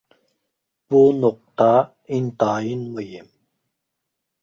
بۇ نۇقتا ئىنتايىن مۇھىم.